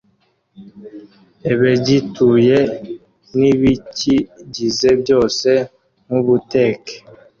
ebegituye n’ibikigize byose nk’ubuteke,